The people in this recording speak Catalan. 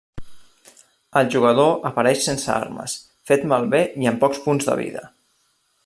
El jugador apareix sense armes, fet malbé i amb pocs punts de vida.